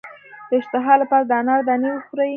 د اشتها لپاره د انار دانې وخورئ